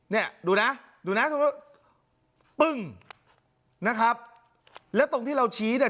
เนี่ยดูนะดูนะปึ้งนะครับแล้วตรงที่เราชี้เนี่ย